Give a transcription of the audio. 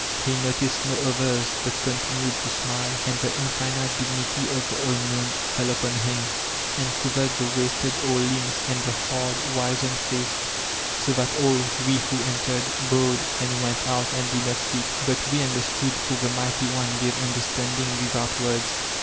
He noticed no others, but continued to smile; and the infinite dignity of the Unknown fell upon him, and covered the wasted old limbs and the hard* wixened face, so that all we who entered, bowed, and went out, and did not speak. But we understood, for the Mighty One gave under standing without words.